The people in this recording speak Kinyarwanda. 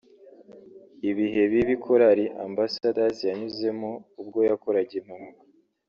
Ibihe bibi Korali Ambassadors yanyuzemo ubwo yakoraga impanuka